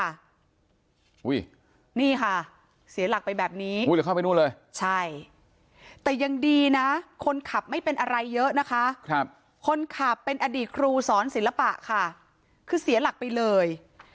นี่ค่ะเสียหลักไปแบบนี้อุ้ยหรือเข้าไปนู่นเลยใช่แต่ยังดีนะคนขับไม่เป็นอะไรเยอะนะคะครับคนขับเป็นอดีตครูสอนศิลปะค่ะคือเสียหลักไปเลย